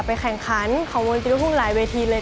ไปแข่งขันของวงฤติฤทธิ์หรือหลายเวทีเลย